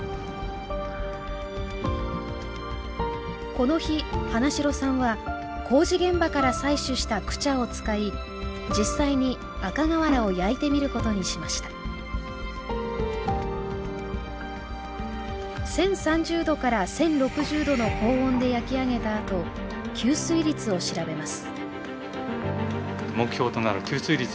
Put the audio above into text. この日花城さんは工事現場から採取したクチャを使い実際に赤瓦を焼いてみることにしました１，０３０度から１，０６０度の高温で焼き上げたあと吸水率を調べます